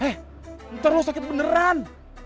hei ntar lo sakit beneran